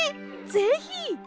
ぜひ！